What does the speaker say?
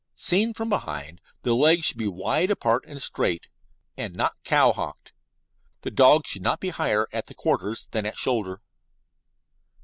Seen from behind, the legs should be wide apart and straight, and not cowhocked. The dog should not be higher at the quarters than at shoulder.